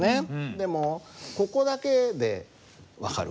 でもここだけで分かる？